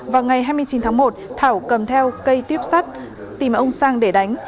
vào ngày hai mươi chín tháng một thảo cầm theo cây tuyếp sắt tìm ông sang để đánh